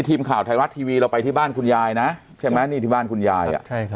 ทีมข่าวไทยรัฐทีวีเราไปที่บ้านคุณยายนะใช่ไหมนี่ที่บ้านคุณยาย